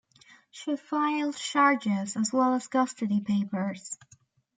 She files charges, as well as custody papers.